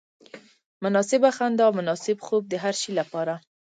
مناسبه خندا او مناسب خوب د هر شي لپاره.